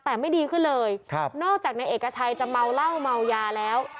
แต่ไม่ดีขึ้นเลยครับนอกจากนายเอกชัยจะเมาเหล้าเมายาแล้ว